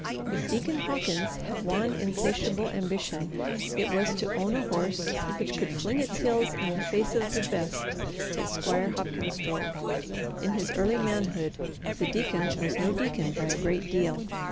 If Deacon Hawkins had one insatiable ambition it was to own a horse which could fling its heels in the face of the best that Squire Hopkins drove. In his early manhood the deacon was no deacon by a great deal.